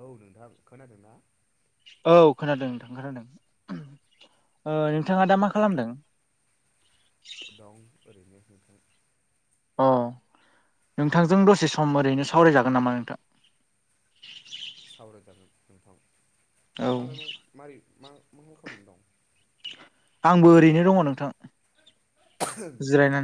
औ नोंथां खोनादोंना? औ खोनादों नोंथां खोनादों ओ नोंथाङा दा मा खालामदों? दां ओरैनो नोंथां अ नोंथांजों दसे सम ओरैनो सावरायजागोन नामा नोंथां। सावराय जागोन नोंथां औ नोंथाङानो मारै मा मा खालामनानै दं? आंबो ओरैनो दङ नोंथां।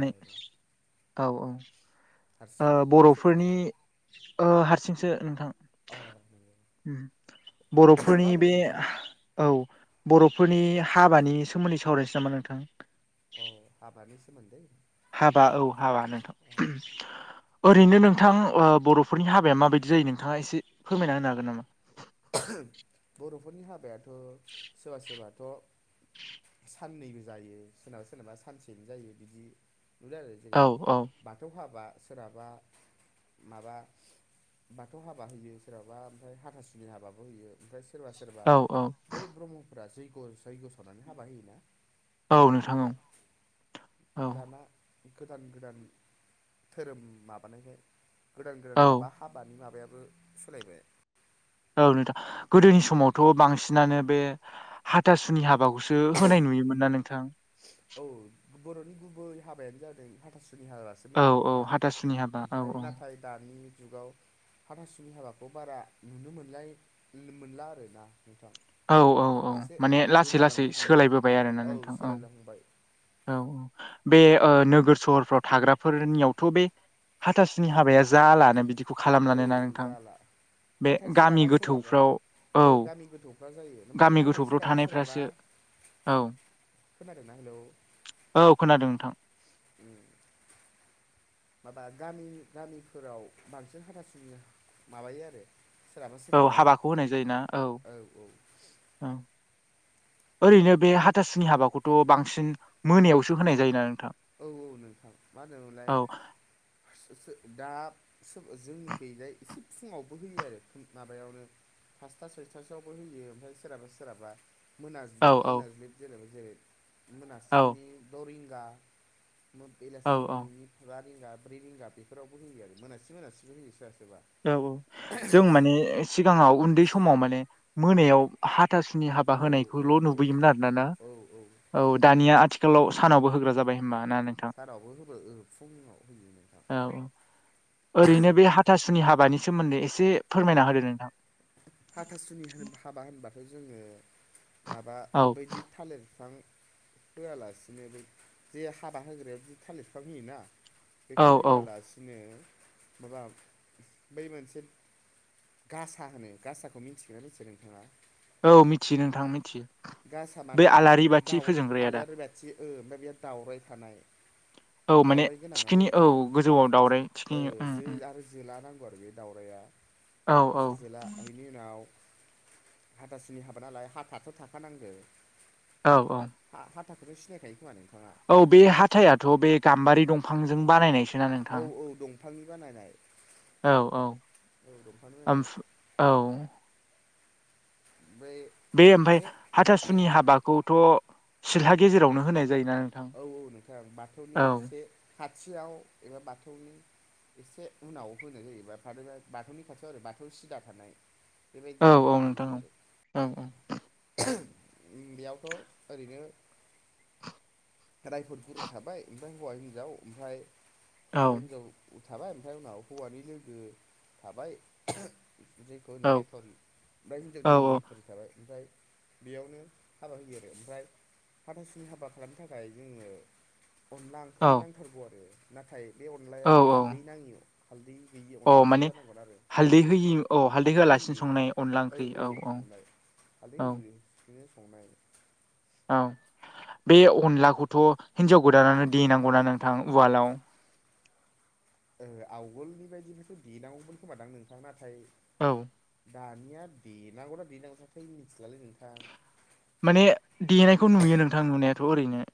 अ दे औ औ। ओ हारसिं ना सोरबा बर'फोरनि दं ओ हारसिंसो अ नंगौ नोंथां। बर'फोरनि मा होनदोंमोन नोंथां बे- औ बर'फोरनि हाबानि सोमोन्दै सावरायनोसै नामा नोंथां? अ हाबानि सोमोन्दै- हाबा औ हाबा अ नोंथां। ओरैनो नोंथां बर'फोरनि हाबाया माबायदि जायो नोंथाङा एसे फोरमायना होनो हागोन नामा? बर'फोरनि हाबायाथ' सोरबा सोरबाथ' साननैबो जायो सोरनाबा सोरनाबा सानसेनो जायो बिदि नुदों आरो औ जेरै- औ बाथौ हाबा सोरहाबा माबा बाथौ हाबा होयो सोरहाबा ओमफ्राय हाथा सुनि- मिहाबाबो होयो ओमफ्राय सोरबा सोरबा औ औ बै ब्रह्मफोरा जैग' जैग्य' सावनानै हाबा होयोना औ नोंथां बेफोरो औ औ दाना गोदान गोदान धोरोम माबानायखाय गोदान गोदान औ माबा। हाबानि माबायाबो सोलायबाय औ नोंथां गोदोनि समावथ' बांसिनानो बे हाथासुनि हाबाखौसो होनाय नुयोमोन ना नोंथां औ बर'नि गुबै हाबायानो जादों हाथासुनि हाबासो। औ मोनो औ नोंथां हाथासुनि हाबा औ ओमफ्राय नाथाय दानि जुगाव हाथासुनि हाबाखौ बारा नुनो मोनलाय मोनला आरोना नोंथां। औ औ औ एसे माने लासै लासै गोमालांनो हमनाय सोलायबोबाय आरोना औ नोंथां सोलायलांहांबाय। औ औ बे ओ नोगोर सहरफ्राव थाग्राफोरनियावथ' बे हाथासुनि हाबाया जालानो बिदि औ औ जाला बे नाथाय गामि सोरहाबा सोरहाबा गोथौफ्राव औ गामि गोथौफ्रा जायो ओमफ्राय गामि नाथाय गोथौफ्राव सोरहाबा सोरहाबा थानायफ्रासो औ खोनादों ना हेलौ? औ खोनादों नोंथां। उम माबा गामि गामिफोराव बांसिन हाथासुनो माबायो आरो। सोरहाबा औ सोरहाबा हाबाखौ होनाय जायोना औ औ। ओरैनो बे हाथासुनि हाबाखौथ' बांसिन मोनायावसो होनाय जायोना नोंथां। औ औ नोंथां मा होनोमोनलाय औ दा जोंनि खैजाय एसे फुङावबो होयो आरो माबायावनो फासथा सयथासोआवबो होयो ओमफ्राय सोरहाबा सोराबा औ मोनाज्लिब औ मोनाज्लिब जेनेबा जेरै औ मोनासनि दरिंगा औ बेलासिनि बा रिंगा ब्रै रिंगा बेफोरावबो होयो आरो मोनासि मोनासेबो होयो सोरो सोरबा औ औ जों माने सिगाङाव उन्दै समाव माने मोनायाव हाथासुनि हाब बा औ औ होनायखौल' औ नुबोयोमोन आरो न ना औ दानिया आथिल आथिखालाव सानावबो होग्रा जाबाय होनबा ना नोंथां। सारावबो होब ओ फुङाव होयो नोंथां। औ। ओरैनो बे हाथासुनि हाबानि सोमोन्दै एसे फोरमायना होदो नोंथां। हाथासुनि हाबा होनबथाय' जोङो माबा औ बायदि थालिर बिफां होआलासिनो बे जे हाबा होग्रायाव बिदि थालिर बिफां होयोना औ बेखौ औ होआलासिनो माबा बै मोनसे गा सा होनो गासाखौ मिथिगोनना मिथिया नोंथाङा? औ मिथियो नोंथां मिथियो। गासा बे माने आलारि बाथि दउ फोजोंग्राया दा आलारि बाथि ओमफ्राय बेयो दावराय थानाय औ माने दउराइ गोनां आरो थिखिनि औ गोजौआव दावराय ओ थिखिनि उम जो उम आरो जोला नांगौ आरो बे दावराइ आ औ औ जो जोला बेनि उनाव हाथासुनि हाबा नालाय हाथायाथ' थाखा नांगो। औ औ हा-हाथाखौथ' सिनायखायो खोमा नोंथाङा? औ बे हाथायाथ' बे गाम्बारि दंफांजों बानायनायसो। औ औ दंफांनि बानायनाय औ औ औ दंफांनि बानायनाय ओम औ। बे बे ओमफ्राय हाथासुनि हाबाखौथ' सिलहा गेजेरावनो होनाय जायोना? औ औ नोंथां बाथौनि औ एसे खाथियाव एबा बाथौनि एसे उनाव होनाय जायोबा बाथौनि खाथियाव आरो बाथौ सिदा थानाय बेबायदि औ औ जायगायाव होयो नोंथां आरो औ बेयावथ' ओरैनो रायफोद गुरु थाबाय ओमफ्राय हौवा हिनजाव ओमफ्राय औ हौवा हिनजाव थाबाय ओमफ्राय उनाव हौवानि लोगो थाबाय। जेखौ होनो औ मेथर ओमफ्राय औ हिन्जावनि लोगो मेथर थाबाय ओमफ्राय बेयावनो हाबा होयो आरो ओमफ्राय फाथासुनि हाबा खालामनो थाखाय ओमफ्राय जोंनो अनला औ ओंख्रि नांथारगौ आरो। नाथाय बे अनलाया औ औ हालदै नाङियाव हालदै होयि अ अनलासो माने जानांगोन आरो हालदै होयि औ हालदै होआलासिनो होयै संनाय अनला औ ओंख्रि औ। संनाय हालदै औ होयो ओरैनो संनाय औ बे अनलाखौथ' हिनजाव गोदानानो देेनांगौना नोंथां उवालाव। आवगोलनि बायदिथ' देनांगौमोन खोमादां नोंथां नाथाय औ दानिया देनांगौना देनाङा मिथिलालै नोंथां? माने देनायखौ नुयो नोंथां नुनायाथ' ओरैनो।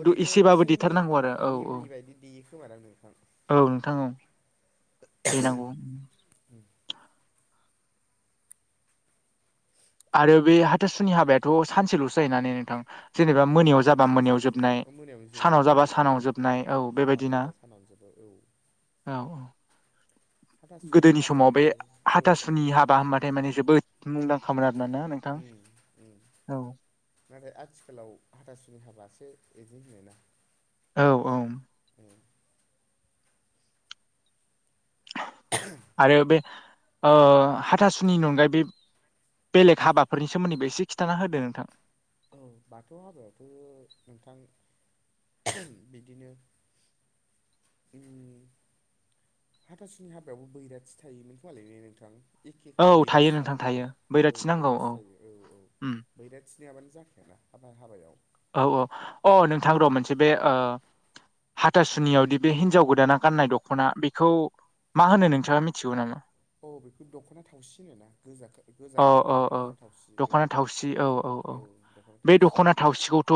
ओरैनो एसेबाबो एसे देथारनांगौ आरो औ औ नेमनि बायदि देयो खोमादां नोंथां? औ नोंथां औ देनांगौ। आरो बे हाथासुनि हाबायाथ' सानसेल'सो जायोना नोंथां? जेनेबा औ मोनायाव नोंथां जाबा मोनायाव सानसेनो जोबो जोबनाय औ मोनायावनो जोबो औ सानाव जाबा औ सानाव नोंथां जोबनाय औ सानाव बेबायदिनो। जाबा सानावनो जोबो औ। औ हाथासुनि गोदोनि समाव बे हाबायावथ' औ हाथासुनि हाबा होमबाथाय माने जोबोद मुंदांखामोन आरोना ना नों उम उम नाथाय आथिखालाव हाथासुनि हाबासो इदि होनोना। औ औ। [inaudible] आरो बे ओ हाथासुनिनि अनगायै बे बेलेग हाबाफोरनि सोमोन्दैबो एसे खिथाना होदो नोंथां? औ बाथौ हाबायाथ' नोंथां बिदिनो उम हाथासुनि हाबायावबो बैराथि थायोमोनखोमालै ना नोंथां? एखेखा औ थायो बैराथि नोंथां थाथारनांगौ थायो औ नांगौ बैराथि थायो औ औ उम बैराथि नोङाबानो जाखायाना हाबा हाबायाव औ ओ अ नोंथां र' मोनसे बे ओ हाथासुनियावदि बे हिन्जाव गोदाना गाननाय दख'ना बेखौ मा होनो नोंथाङा मिथिगौ नामा अ बेखौ दख'ना थावसि होनो ना गोजा गोजा अ अ गाबनिया अ दख'ना थावसि ओ दख'ना थावसि औ औ औ ओ दख'ना बे थावसि दख'ना थावसिखौथ'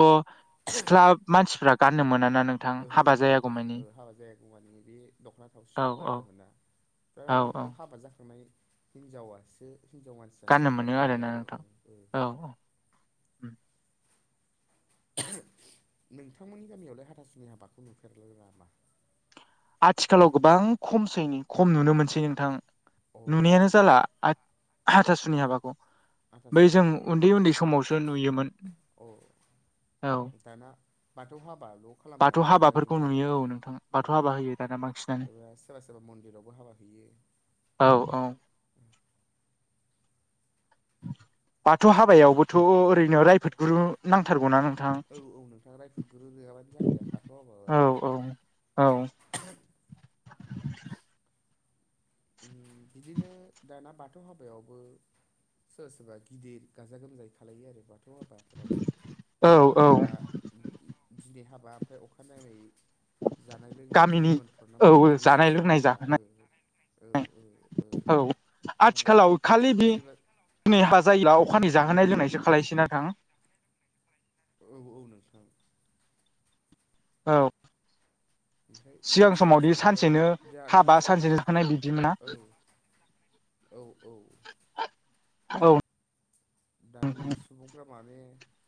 सिख्ला मानसिफ्रा गाननो मोना ना नों ओहो ओहो नोंथां ओह हाबा जायागौमानि बे दख'ना औ थावसिखौ औ गाननो मोना औ [unintelligible] मे औ बिखौ हाबा जाखांनाय हिनजावासो हिनजाव मान सासे गाननो मोनो आरो ओ ओ औ औ [unintelligible] नोंथांमोननि गामियावलाय हाथासुनि हाबाखौ नुफेर [unintelligible] आथिखालाव गोबां खमसै नै खम नुनो मोनसै नोंथां अ नुनायानो जाला आथ हाथासुनि हाबाखौ बै हाथासुनि जों हाबाखौ उन्दै उन्दै समावसो नुयोमोन अ औ दाना बाथौ हाबाल' खालामो बाथौ नामा नोहाय हाबाफोरखौ नोंथां नुयो औ नोंथां बाथौ औ हाबा होयो दाना बांसिनानो एबा सोरबा सोरबा मन्दिरावबो हाबा हैयो औ औ बाथौ हाबायावबोथ' ओरैनो रायफोदगुरु नांथारगौना नोंथां औ औ नोंथां रायफोदगुरु औ [unintelligible] औ औ उम बिदिनो दाना बाथौ हाबायावबो सोरबा सोरबा गिदिर गाजा गोमजायै खालायो आरो बाथौ हाबाफोराव औ औ माबा दिनै हाबा ओमफ्राय अखानाङै जानाय लोंनाय गामिनि निमन्थ्रन ना औ मा होनो जानाय रिसिपसन लोंनाय एरिया ओ जाहोनाय ओ ओ ओ औ जाहोनाय आथिखालाव खालि बे सोरबा [unintelligible] औ औ नोंथां औ ओमफ्राय सिगां सोरबा समावदि सोरबाथ' सानसेनो दाना हाबा सानसेनो थांनाय बिदि औ [unintelligible] औ औ औ दानि सुबुंफ्रा माने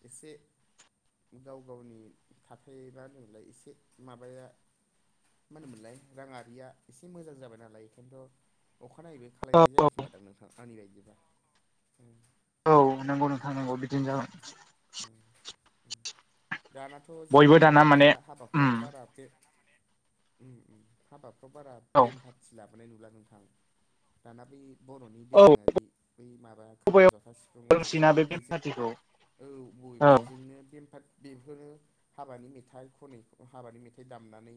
एसे गाव गावनि थथाय [unintelligible] एसे माबाया मा होनोमोनलाय राङारिया एसे मोजां जाबाय नालाय खिन्थु अखानायैबो औ खालायनाय औ जायोखोमा दां नोंथां आंनि बायदिबा औ नोंगौ नोंथां नोंगौ बिदिनो जागोन दानाथ' बयबो जोङो दाना माने बा हाबा फ्राव उम बारा बे उम उम हाबाफ्राव बारा औ बेम फाथि ला बोनाय नुला नोंथां दाना बै बर'नि औ दोरोङारि बै माबा खाम बबेयाव जथा सि फुं औ रोंसैना बे बेम बेजों पार्टिखौ औ बय औ बेजोंनो बेमफा बेफोरो हाबानि मेथाइ खनै हाबानि मेथाइ दामनानै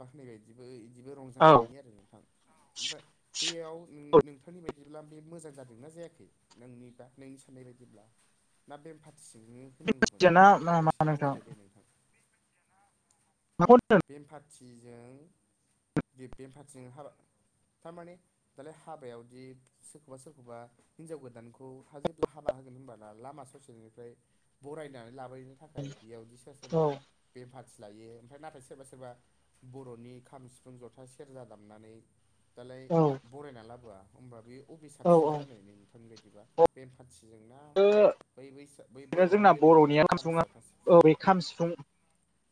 बाखनाय बायदिबो बिदिबो औ रंजानाय नुयो आरो नोंथां दा बेयाव नों औ नोंथांनि बायदिब्ला बे मोजां जादोंना जायाखै नोंनि दा नोंनि साननाय बायदिब्ला ना बेम पार्थि सिजोंनोनो होनांगौमोन मिथियाना मा मा बेसे नोंथां बुंदो दे नोंथां माखौ होनदों बेमफारटिजों ग बेमफारथिजों हाब थारमाने दालाय हाबायावदि सोरखौबा सोरखौबा हिनजाव गोदानखौ हा जेब्ला हाबा होगोन होनब लामा ससेनिफ्राय बरायनानै लाबायनो नि थाखाय बेयावदि सोरब औ सोरबा बेमफारथि लायो ओमफ्राय नाथाय सोर सोरबा सोरबा बर'नि खाम सिफुं जथा सेरजा दामनानै दालाय औ बरायना लाबोआ होमबा बे बबे औ साबसिन औ जाय नोंथांनि बायदिबा बेन पार्टिजोंना ओरैनो ब बै बर'नि जोंना दोरोङारि बर'निया खाम [unintelligible] सिफुङा साफा औ ससिनाव बे खाम सिफुं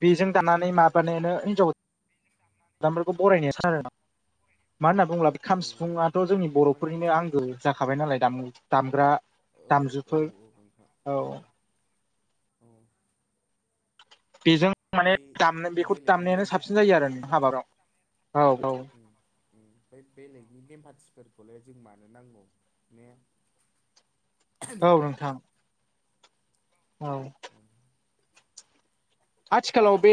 बेजों दानानै मा मान हिनजावामफोरखौ बरायनाय सान आरो [unintelligible] मा होनना बुङोब्ला खाम औ सिफुाथ' जोंनि थारमाने बर'फोरनिनो आंगो जाखाबाय नालाय दाम दामग्रा ओ औ दामजुफोर औ नोंथां औ औ बेजों माने बै दामनाय बेखौ बेलेगनि दामनायानो बेम साबसिन जायो आरो न हाबादाव औ औ बे बेलेगनि नेमपाथिफोरखौलाय जों मानो नांगौ ने औ नोंथां औ उ आथिखालाव बे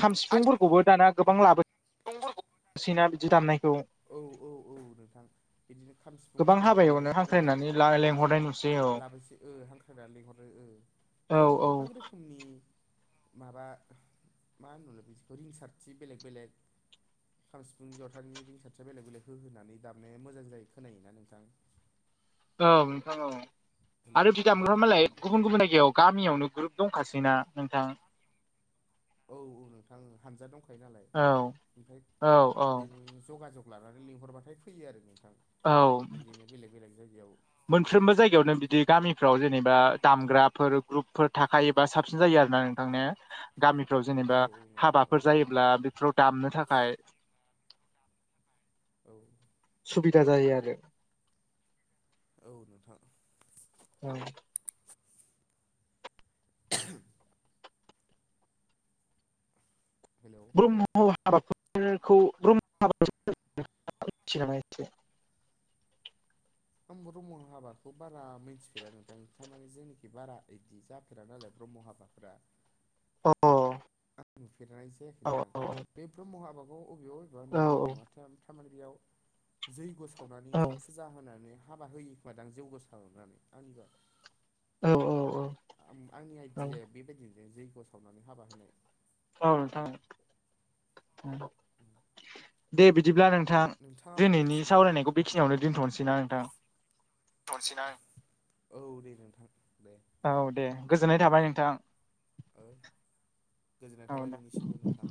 खाम सिफुंफोरखौबो दाना गोबां लाबो नबो [unintelligible] नसैना बिदि दाननायखौ औ औ औ नोंथां बिदिनो खाम गोबां सिफुंफोरखौबो हाबायावनो हाबायाव हांख्रायनानै ला होबथार लेंहरनाय मानो नुसै औ लाबोसै ओ हांख्रायनानै लिंहरो औ औ आंनि माबा मा होनलाय बि रिंसारथि बेलेग बेलेग खाम सिफुं जथानि रिंसार। फिसा बेलेग बेलेग हो होनानै दामनाया मोजां जायो खोनायोना नोंथां। औ नोंथां औ हेलौ आरो फदामोनगा मालाय गुबुन गुबुन जायगायाव गामियावनो ग्रुप दंखासै नना नोंथां औ औ नोंथां हामजा दंखायो नालाय औ ओमफ्राय औ औ जग जग लानानै लिंहरबाथाय फैयो आरो नोंथां औ बिदिनो बेलेग बेलेग जायगायाव मोनफ्रोमबो जायगायावनो बि बिदि गामिफ्राव जेनेबा दामग्राफोर ग्रुपफोर थाखायोबा साबसिन जायो आरो ना नोंथांनिया गामिफ्राव औ जेनेबा नोंथां औ हाबाफोर जायोब्ला बेफोराव दामनो थाखाय औ सुबिदा जायो आरो औ नोंथां उ [inaudible] हेल' ब्र्म हाबाफोरखौ ब्र्माब मिथि नामा एसे [unintelligible] आं ब्रह्म हाबाखौ बारा मिथिफेरा नोंथां नोंमाने जेनाखि बारा बिदि जा फ नालाय ब्रह्म हाबाफफोरा अ अ नुफेरनाय जायाखै नोंथां बे ब्रह्म हाबाखौ बबेबा बबेबा नुनाय औ जादों माथो थारमाने बेयाव जैग' सावनानै। औ फुजा होनानै हाबा होयोखोमा दां जौग' सारनानै आंनिबा। औ औ आंनि औ आइडियाया बेबायदिनो जैग्य' सावनानै हाबा होनाय। औ नोंथां। [inaudible] दे बिदिब्ला नोंथां नोंथाङाबो दिनैनि मिथिगौ नामा सावरायनायखौ बेखिनियावनो दोनथ'नोसै ना नोंथां। थनसैना औ दे दे नोंथां दे। औ दे गोजोननाय थाबाय नोंथां। ओइ गोजोननाय औ दे थाबाय नोंनिसिमबो नोंथां।